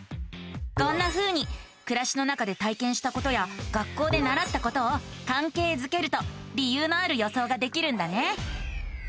こんなふうにくらしの中で体験したことや学校でならったことをかんけいづけると理由のある予想ができるんだね。